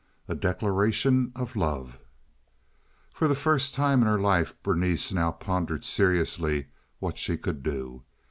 A Declaration of Love For the first time in her life Berenice now pondered seriously what she could do.